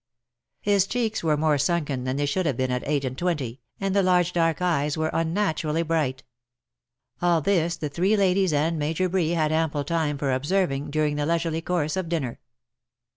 His cheeks were more sunken than they should have been at eight and twenty, and the large dark eyes were unnaturally bright. All this the three ladies and Major Bree had ample time for observing, during the leisurely course of dinner.